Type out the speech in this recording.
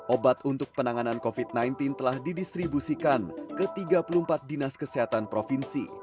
obat untuk penanganan covid sembilan belas telah didistribusikan ke tiga puluh empat dinas kesehatan provinsi